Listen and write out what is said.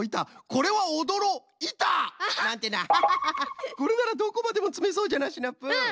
これならどこまでもつめそうじゃなシナプー。